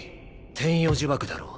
天与呪縛だろ。